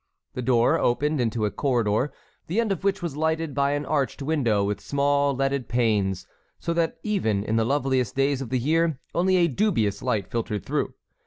The door opened into a corridor, the end of which was lighted by an arched window with small leaded panes, so that even in the loveliest days of the year only a dubious light filtered through.